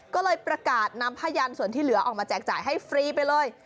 ก็เลยประกาศนำพยานส่วนที่เหลือออกมาแจกจ่ายให้ฟรีไปเลย